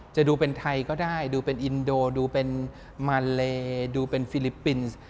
จะดูเป็นไทยก็ได้ดูเป็นอินโดดูเป็นมาเลดูเป็นฟิลิปปินส์